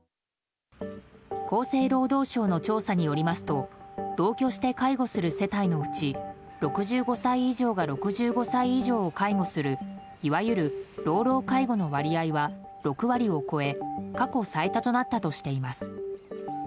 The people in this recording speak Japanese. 厚生労働省の調査によりますと同居して介護する世帯のうち６５歳以上が６５歳以上を介護するいわゆる老老介護の割合は６割を超え過去最多となったとしています。